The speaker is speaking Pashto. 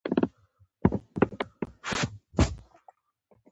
د لومړنیو چمتووالو له نیولو وروسته بل ګام اخیستل کیږي.